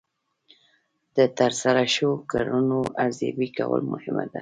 د ترسره شوو کړنو ارزیابي کول مهمه ده.